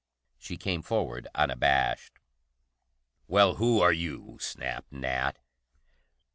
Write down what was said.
She came forward unabashed. "Well, who are you?" snapped Nat.